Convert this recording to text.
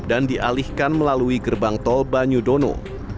dan dialihkan melalui gerbang tol banyudono